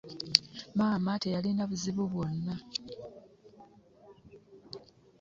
Maama teyalina buzibu bwonna.